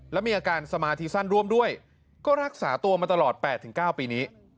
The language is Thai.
และมีอาการสมาธิสั้นร่วมด้วยก็รักษาตัวมาตลอด๘๙ปีนี้